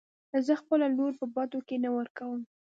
زه خپله لور په بدو کې نه ورکم .